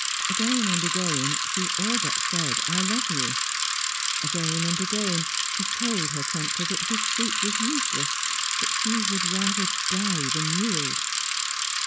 Again and again she all but said, "I love you"; again and again she told her tempter that his suit was useless, that she would rather die than yield.